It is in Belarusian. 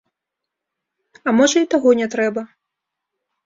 А можа і таго не трэба.